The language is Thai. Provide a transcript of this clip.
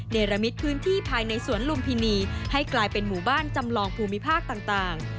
ในระมิตพื้นที่ภายในสวนลุมพินีให้กลายเป็นหมู่บ้านจำลองภูมิภาคต่าง